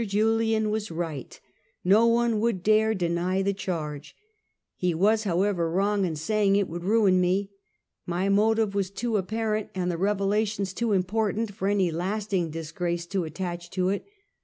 135 Julian was right; no one would dare deny the charge. He was, however, wrong in saying it would ruin me. My motive was too apparent, and the revelations too important, for any lasting disgrace to attach to it.